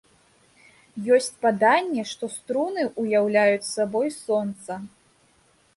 Ёсць паданне, што струны уяўляюць сабой сонца.